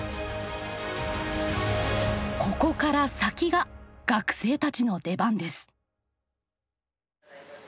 ここから先が学生たちの出番です。